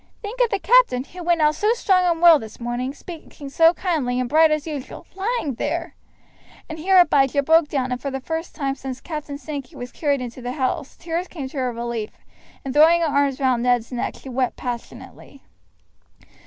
Think of the captain, who went out so strong and well this morning, speaking so kind and bright just as usual, lying there!" and here Abijah broke down and for the first time since Captain Sankey was carried into the house tears came to her relief, and throwing her arms round Ned's neck she wept passionately.